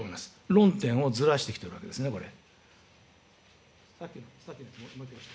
論点をずらしてきておられるわけですね、これ。